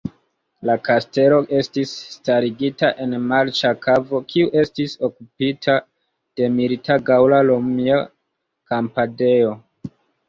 La kastelo estis starigita en marĉa kavo, kiu estis okupita de milita gaŭla-romia kampadejo.